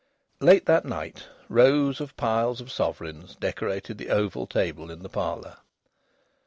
Late that night rows of piles of sovereigns decorated the oval table in the parlour.